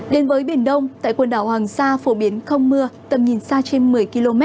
đến với biển đông tại quần đảo hoàng sa phổ biến không mưa tầm nhìn xa trên một mươi km